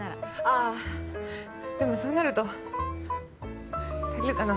あでもそうなると足りるかな？